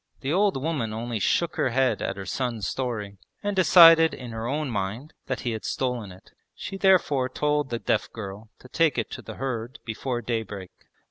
The old woman only shook her head at her son's story, and decided in her own mind that he had stolen it. She therefore told the deaf girl to take it to the herd before daybreak.